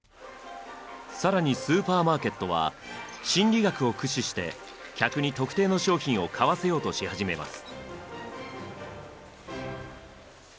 更にスーパーマーケットは心理学を駆使して客に特定の商品を買わせようとし始めます。